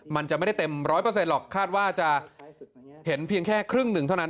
มันจะไม่ได้เต็ม๑๐๐หรอกคาดว่าจะเห็นเพียงแค่ครึ่งหนึ่งเท่านั้น